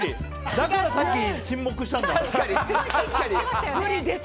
だからさっき沈黙したんだ。